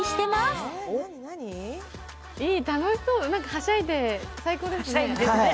はしゃいで最高ですね。